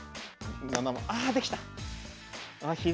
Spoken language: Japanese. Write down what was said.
あできた！